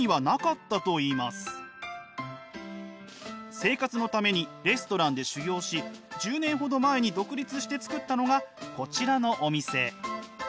生活のためにレストランで修業し１０年ほど前に独立してつくったのがこちらのお店。